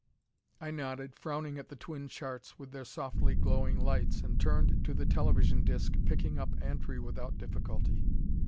I nodded, frowning at the twin charts, with their softly glowing lights, and turned to the television disc, picking up Antri without difficulty.